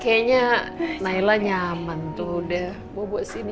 kayaknya naila nyaman tuh udah gue buat sini